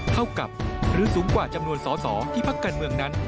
เท่ากับหรือสูงกว่าจำนวนสอสอที่พักการเมืองนั้น